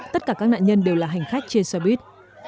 tất cả các nạn nhân đều là hành khách trên xe buýt